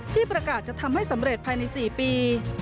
ที่ประกาศจะทำให้สำเร็จภายใน๔ปี